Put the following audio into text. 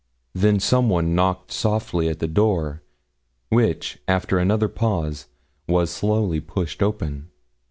Then some one knocked softly at the door, which after another pause was slowly pushed open.